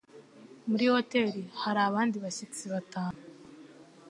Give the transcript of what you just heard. Muri hoteri hari abandi bashyitsi batanu.